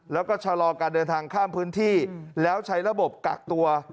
แล้วก็ชะลอการเดินทางข้ามพื้นที่แล้วใช้ระบบกักตัว